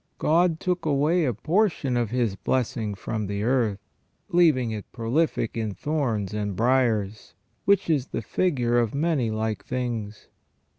God took away a portion of His blessing from the earth, leaving it prolific in thorns and briars, which is the figure of many like things.